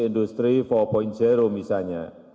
industri empat misalnya